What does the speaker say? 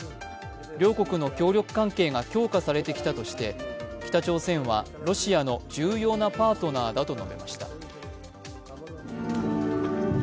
両国の協力関係が強化されてきたとして、北朝鮮はロシアの重要なパートナーだと述べました。